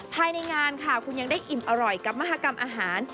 ภายในงานค่ะคุณยังได้อิ่มอร่อยกับมหากรรมอาหาร